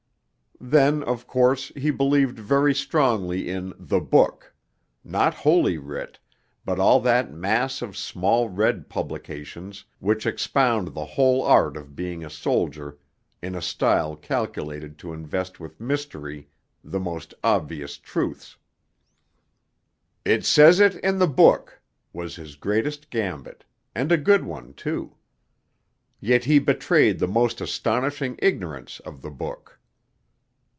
Then, of course, he believed very strongly in 'The Book,' not Holy Writ, but all that mass of small red publications which expound the whole art of being a soldier in a style calculated to invest with mystery the most obvious truths. 'It says it in The Book' was his great gambit and a good one too. Yet he betrayed the most astonishing ignorance of The Book.